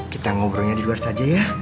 kita ngobrolnya di luar saja ya